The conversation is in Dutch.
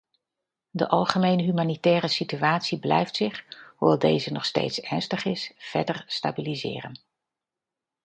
De algemene humanitaire situatie blijft zich, hoewel deze nog steeds ernstig is, verder stabiliseren.